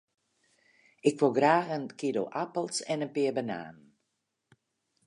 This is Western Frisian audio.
Ik wol graach in kilo apels en in pear bananen.